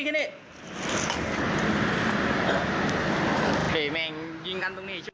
โอเคแม่งยิงกันตรงนี้